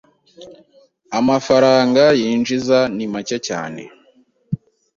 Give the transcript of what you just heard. Amafaranga yinjiza ni make cyane.